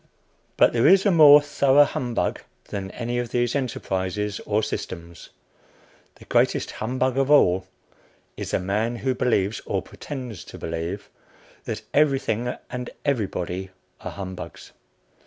But there is a more thorough humbug than any of these enterprises or systems. The greatest humbug of all is the man who believes or pretends to believe that everything and everybody are humbugs.